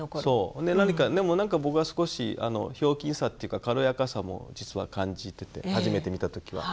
何かでもなんか僕は少しひょうきんさっていうか軽やかさも実は感じてて初めて見た時は。